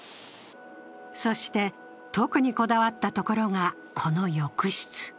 そして、特にこだわったところがこの浴室。